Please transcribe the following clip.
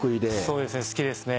そうですね好きですね。